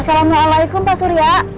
assalamualaikum pak surya